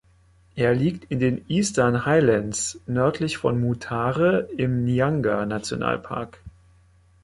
Er liegt in den Eastern Highlands nördlich von Mutare im Nyanga-Nationalpark.